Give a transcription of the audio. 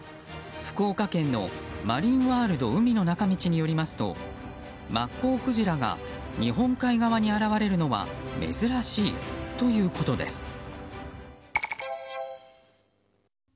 福岡県のマリンワールド海の中道によりますとマッコウクジラが日本海側に現れるのは珍しいということです。